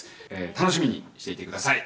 楽しみにしていてください。